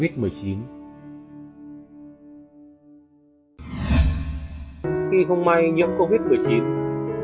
khi không may nhiễm covid một mươi chín